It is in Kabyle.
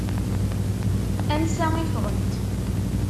Ansa i ffɣent?